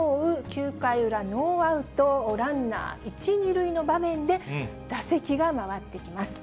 ９回裏、ノーアウトランナー１、２塁の場面で、打席が回ってきます。